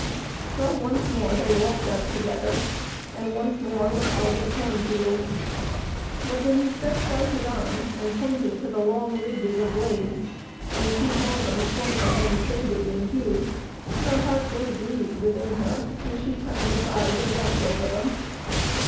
So once more they walked out together, and once more looked over the cornfields; but when he stretched out his arm and pointed to the long ridges of blades, and she saw them shrunken and faded in hue, her heart was grieved within her, and she turned aside and wept over them.